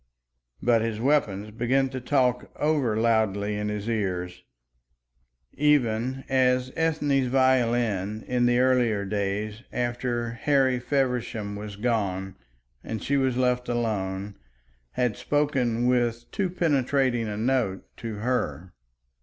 But his weapons began to talk over loudly in his ears, even as Ethne's violin, in the earlier days after Harry Feversham was gone and she was left alone, had spoken with too penetrating a note to her.